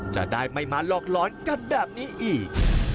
จะได้ไม่มาหลอกร้อนกันแบบนี้อีก